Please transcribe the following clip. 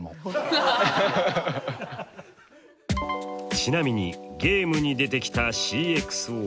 ちなみにゲームに出てきたＣｘＯ。